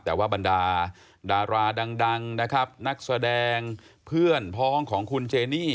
แต่ว่าบรรดาดาราดังนักแสดงเพื่อนพ้อองค์ของของคุณเจนี่